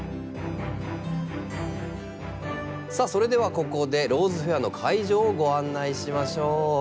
さあそれではここでローズフェアの会場をご案内しましょう。